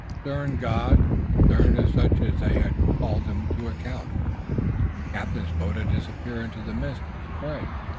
A stern God, stern to such as they, had called them to account. The captain's boat had disappeared in the mist and spray.